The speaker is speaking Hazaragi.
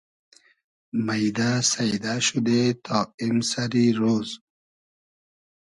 مݷدۂ سݷدۂ شودې تا ایم سئری رۉز